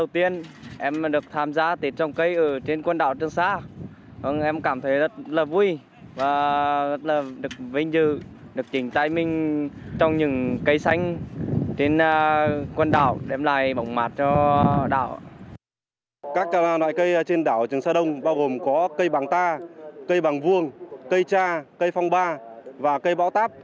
trường sa đông có cây bằng ta cây bằng vuông cây cha cây phong ba và cây bão táp